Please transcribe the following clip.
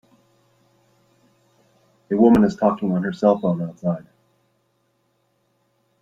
A woman is talking on her cellphone outside